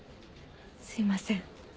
すいません。